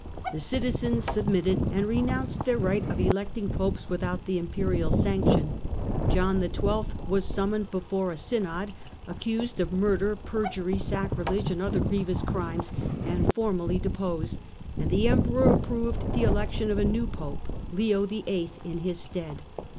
The citizens submitted, and renounced their right of electing Popes without the imperial sanction. John XII. was summoned before a synod, accused of murder, perjury, sacrilege, and other grievous crimes, and formally deposed, and the Emperor approved the election of a new Pope, Leo VIIL, in his stead.